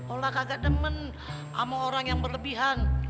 olah kagak demen sama orang yang berlebihan